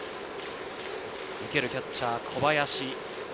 受けるキャッチャー・小林。